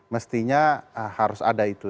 mestinya harus ada itu